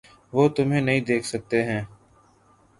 وہ تمہیں نہیں دیکھ سکتے ہیں۔